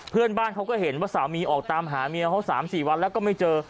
เพื่อนบ้านเขาก็เห็นว่าสามีออกตามหาเมียเขา๓๔วันแล้วก็ไม่เจอ